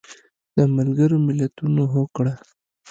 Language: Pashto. د ملګرو ملتونو هوکړه